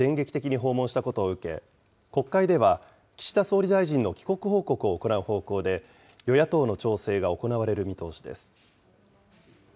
岸田総理大臣がウクライナを電撃的に訪問したことを受けて、国会では岸田総理大臣の帰国報告を行う方向で与野党の調整が行われる見通しです。